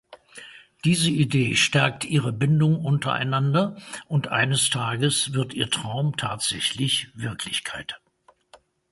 Diese Idee stärkt ihre Bindung untereinander und eines Tages wird ihr Traum tatsächlich Wirklichkeit.